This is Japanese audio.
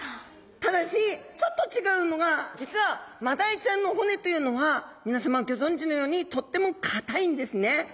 ただしちょっと違うのが実はマダイちゃんの骨というのはみなさまギョ存じのようにとっても硬いんですね。